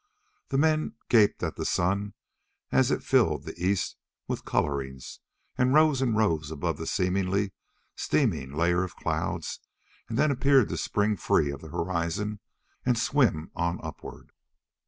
The men gaped at the sun as it filled the east with colorings, and rose and rose above the seemingly steaming layer of clouds, and then appeared to spring free of the horizon and swim on upward.